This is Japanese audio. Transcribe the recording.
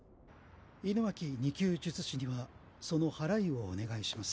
狗巻２級術師にはその祓いをお願いします。